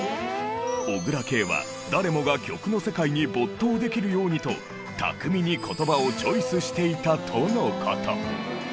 小椋佳は誰もが曲の世界に没頭できるようにと巧みに言葉をチョイスしていたとの事。